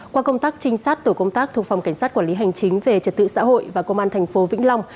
qua công tác trinh sát tổ công tác thuộc phòng cảnh sát quản lý hành chính về trật tự xã hội và công an thành phố vĩnh long